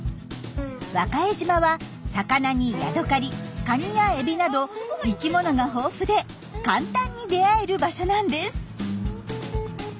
和賀江島は魚にヤドカリカニやエビなど生きものが豊富で簡単に出会える場所なんです。